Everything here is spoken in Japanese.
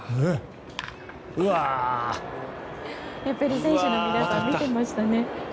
やっぱり選手の皆さん見てましたね。